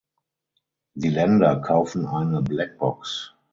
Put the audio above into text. Die Länder kaufen eine „Blackbox“.